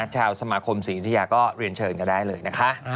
ชาวสมาคมศรียุธยาก็เรียนเชิญกันได้เลยนะคะ